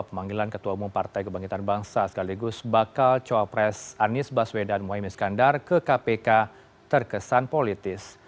pemanggilan ketua umum partai kebangkitan bangsa sekaligus bakal cowok pres anies baswedan muhaimin skandar ke kpk terkesan politis